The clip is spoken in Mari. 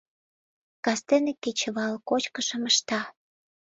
Кастене кечывал кочкышым ышта.